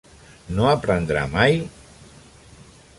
No aprendrà mai?